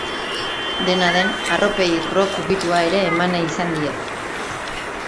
Dena den, arropei rock ukitua ere eman nahi izan die.